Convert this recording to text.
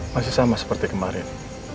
masih sama seperti kemarin